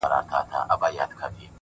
څه یې مسجد دی څه یې آذان دی؛